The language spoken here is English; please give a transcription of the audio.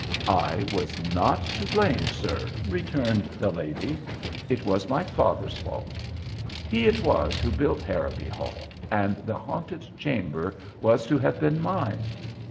"I was not to blame, sir," returned the lady. "It was my father's fault. He it was who built Harrowby Hall, and the haunted chamber was to have been mine.